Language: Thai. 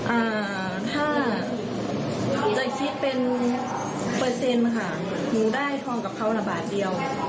อ่าถ้าจะคิดเป็นเปอร์เซ็นต์ค่ะหนูได้ทองกับเขาละบาทเดียว